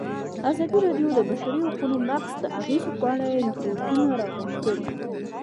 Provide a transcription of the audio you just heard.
ازادي راډیو د د بشري حقونو نقض د اغېزو په اړه ریپوټونه راغونډ کړي.